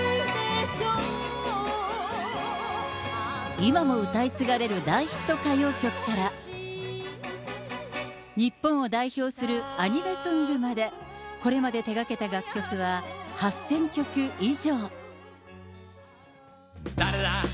今も歌い継がれる大ヒット歌謡曲から、日本を代表するアニメソングまで、これまで手掛けた楽曲は８０００曲以上。